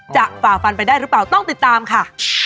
ฝ่าฟันไปได้หรือเปล่าต้องติดตามค่ะ